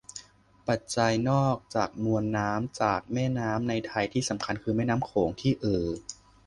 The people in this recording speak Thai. ปัจจัยนอกจากมวลน้ำจากแม่น้ำในไทยที่สำคัญคือแม่น้ำโขงที่เอ่อ